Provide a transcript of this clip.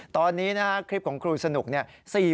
ตอนนี้นะครับคลิปของครูสนุกเนี่ย